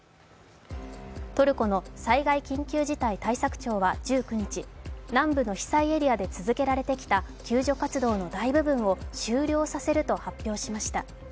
トルコの災害緊急事態対策庁は１９日、南部の被災エリアで続けられてきた救助活動の大部分を終了させると発表しました。